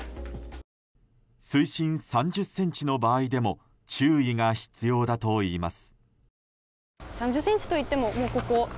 水深３０ｃｍの場合でも注意が必要だといいます。